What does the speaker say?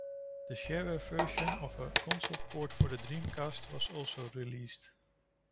The shareware version of a console port for the Dreamcast was also released.